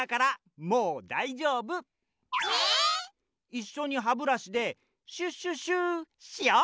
いっしょにハブラシでシュシュシュしよう！